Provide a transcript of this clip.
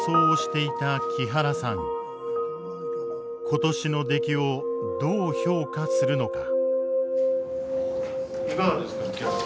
今年の出来をどう評価するのか。